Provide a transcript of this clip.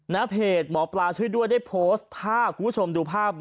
นะเพจหมอปลาช่วยด้วยได้โพสต์ภาพ